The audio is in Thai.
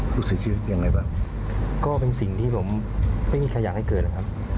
ลูกเสียชีวิตยังไงบ้างก็เป็นสิ่งที่ผมไม่มีใครอยากให้เกิดนะครับ